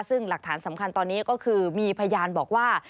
ซึ่งหลักฐานสำคัญตอนนี้ก็คือมีพยานบอกว่า